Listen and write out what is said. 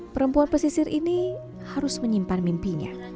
perempuan pesisir ini harus menyimpan mimpinya